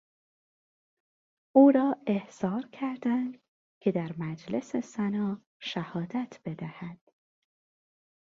او را احضار کردند که در مجلس سنا شهادت بدهد.